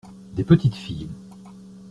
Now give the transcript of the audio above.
Des petites filles.